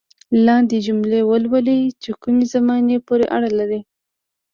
لاندې جملې ولولئ چې کومې زمانې پورې اړه لري.